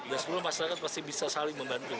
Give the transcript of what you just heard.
dan sebelum masyarakat pasti bisa saling membantu